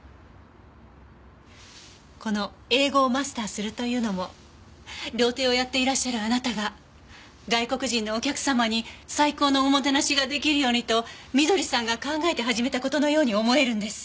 この「英語をマスターする」というのも料亭をやっていらっしゃるあなたが外国人のお客様に最高のおもてなしが出来るようにと翠さんが考えて始めた事のように思えるんです。